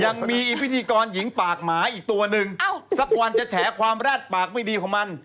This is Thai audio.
ยังมีพิธีกรหญิงปากหมาอีกตัวหนึ่งสักวันจะแฉความแรดปากไม่ดีของมัน